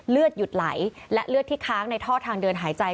เลือดหยุดไหลและเลือดที่ค้างในท่อทางเดินหายใจ